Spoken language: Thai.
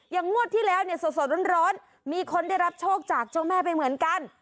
งวดที่แล้วเนี่ยสดร้อนมีคนได้รับโชคจากเจ้าแม่ไปเหมือนกัน